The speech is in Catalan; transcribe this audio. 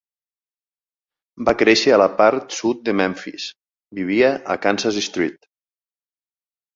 Va créixer a la part sud de Memphis; vivia a Kansas Street.